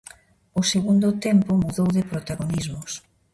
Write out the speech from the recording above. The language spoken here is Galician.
O segundo tempo mudou de protagonismos.